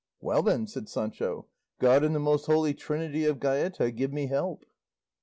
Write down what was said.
"Well then," said Sancho, "God and the most holy Trinity of Gaeta give me help!"